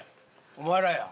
お前らや。